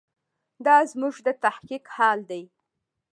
دا زموږ د تحقیق حال دی.